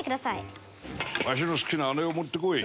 わしの好きなあれを持ってこい。